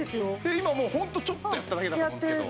今もうホントちょっとやっただけだと思うんですけど。